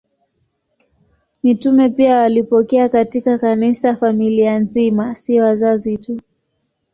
Mitume pia walipokea katika Kanisa familia nzima, si wazazi tu.